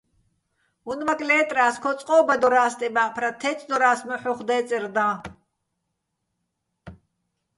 უ̂ნმაკ ლე́ტრა́ს, ქო წყო́ბადორა́ს სტემა́ჸფრათ, თე́წდორა́ს მოჰ̦ უ̂ხ დე́წერ დაჼ.